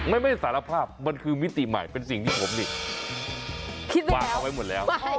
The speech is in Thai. ไม่สารภาพมันคือมิติใหม่เป็นสิ่งที่ผมดิวางเขาไว้หมดแล้ว